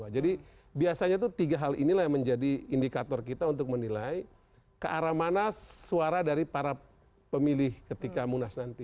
jadi biasanya itu tiga hal inilah yang menjadi indikator kita untuk menilai ke arah mana suara dari para pemilih ketika munas nanti